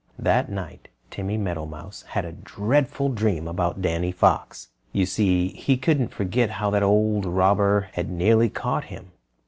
That night Timmy Meadowmouse had a dreadful dream about Danny Fox. You see, he couldn't forget how that old robber had nearly caught him.